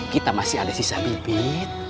kita masih ada sisa bibit